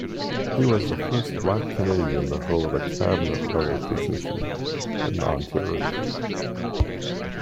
He was the first Black Canadian to hold a cabinet-level position in Ontario.